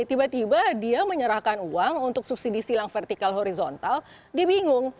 tiba tiba dia menyerahkan uang untuk subsidi silang vertikal horizontal dia bingung